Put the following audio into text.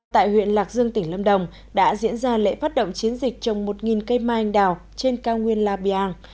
tại huyện lạc dương tỉnh lâm đồng đã diễn ra lễ phát động chiến dịch trồng một cây mai anh đào trên cao nguyên la biang